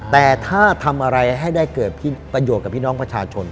แต่ถ้าทำอะไรให้ได้เกิดประโยชน์กับพี่น้องประชาชน